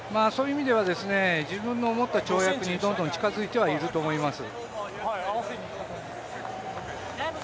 自分の思った跳躍にどんどん近づいてはいると思います。